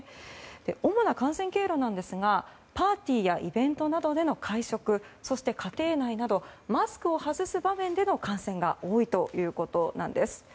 主な感染経路ですがパーティーやイベントなどでの会食そして、家庭内などマスクを外す場面での感染が多いということです。